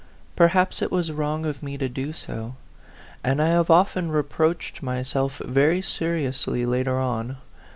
Perhaps it was wrong of me to do so; and I have often reproached myself very seriously later on.